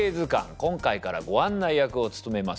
今回からご案内役を務めます